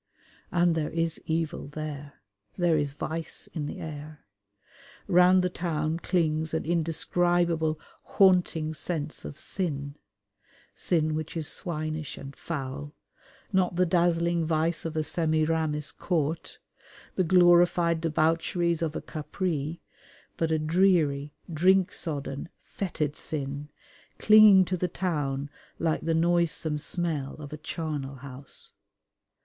And there is evil there! There is vice in the air. Round the town clings an indescribable haunting sense of sin sin which is swinish and foul not the dazzling vice of a Semiramis Court, the glorified debaucheries of a Capri, but a dreary, drink sodden, fetid sin, clinging to the town like the noisome smell of a charnel house.